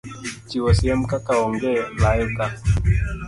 chiwo siem kaka Onge Layo Ka!